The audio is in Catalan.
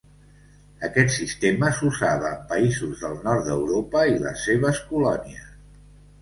Aquest sistema s'usava en països del nord d'Europa i les seves colònies.